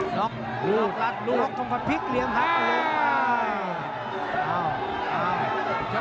ดรกลัดนรกคงกางพิกเลี้ยงฮัก